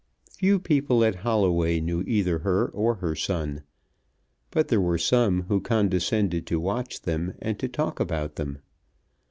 Few people at Holloway knew either her or her son. But there were some who condescended to watch them, and to talk about them.